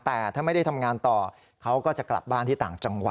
แต่ถ้าไม่ได้ทำงานต่อเขาก็จะกลับบ้านที่ต่างจังหวัด